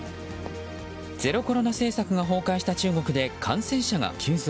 ゼロコロナ政策が崩壊した中国で感染者が急増。